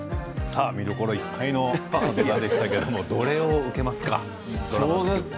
見どころいっぱいの朝ドラでしたけどどれを受けますか？